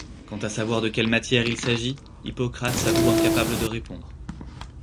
Quant à savoir de quelle matière il s’agit, Hippocrate s’avoue incapable de répondre.